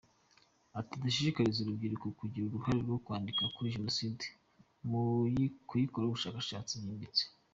Ati “Dushishikariza n’urubyiruko kugira uruhare mu kwandika kuri Jenoside, mu kuyikoraho ubushakashatsi bwimbitse.